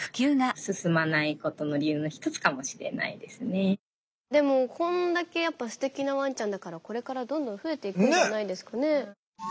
盲導犬以外のでもこんだけやっぱすてきなワンちゃんだからこれからどんどん増えていくんじゃないですかね。